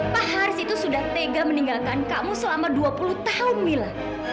pak haris itu sudah tega meninggalkan kamu selama dua puluh tahun mila